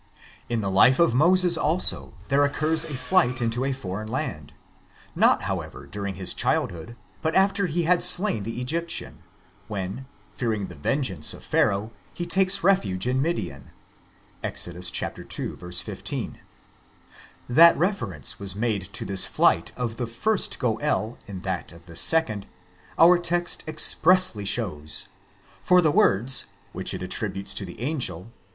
In the life of Moses also there occurs a flight into a foreign land; not, however, during his child hood, but after he had slain the Egyptian, when, fearing the vengeance of Pharaoh, he takes refuge in Midian (Exod. ii. 15). That reference was made to this flight of the first Goél in that of the second, our text expressly shows, for the words, which it attributes to the angel, who encourages Joseph to Journ.